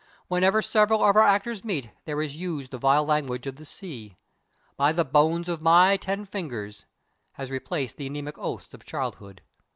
Whenever several of our actors meet there is used the vile language of the sea. By the bones of my ten fingers has replaced the anemic oaths of childhood.